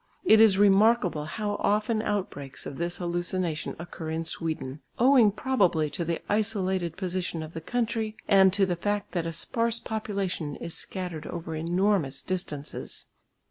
It is remarkable how often outbreaks of this hallucination occur in Sweden, owing probably to the isolated position of the country and to the fact that a sparse population is scattered over enormous distances.